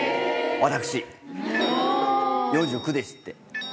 ４９歳ですって。